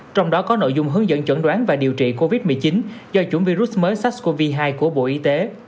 trong đó có nội dung hướng dẫn chẩn đoán và điều trị covid một mươi chín do chủng virus mới sars cov hai của bộ y tế